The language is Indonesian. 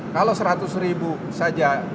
kalau seratus ribu saja